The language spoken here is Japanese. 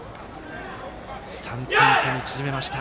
３点差に縮めました。